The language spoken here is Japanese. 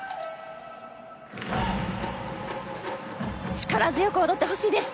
力強く踊ってほしいです。